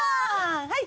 はい！